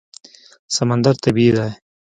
سمندر طبیعي دی.